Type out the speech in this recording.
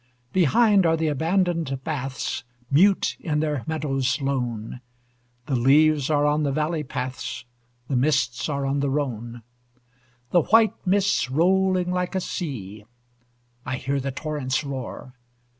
Behind are the abandoned baths Mute in their meadows lone; The leaves are on the valley paths, The mists are on the Rhone The white mists rolling like a sea! I hear the torrents roar.